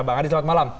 bang adi selamat malam